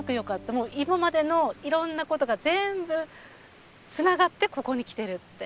もう今までの色んな事が全部繋がってここに来てるって。